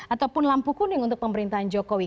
ataupun lampu kuning untuk pemerintahan jokowi